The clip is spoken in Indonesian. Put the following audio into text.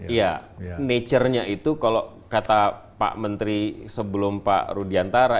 iya nature nya itu kalau kata pak menteri sebelum pak rudiantara